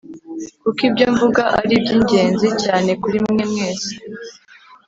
kuko ibyo mvuga ari iby ingenzi cyane kuri mwe mwese